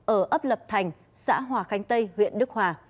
ở ấp lập thành xã hòa khánh tây huyện đức hòa